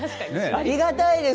ありがたいです。